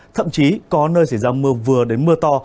thậm chí có nơi xảy ra mưa vừa đến mưa to